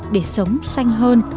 để sống xanh hơn